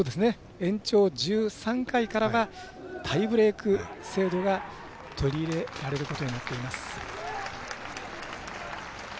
延長１３回からはタイブレーク制度が取り入れられることになっています。